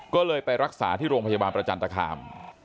ก็เลยไปรักษาที่โรงพยาบาลประจันตคาม